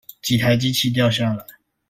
幾台機器掉下來